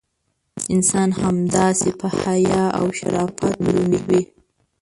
انسان همداسې: په حیا او شرافت دروند وي.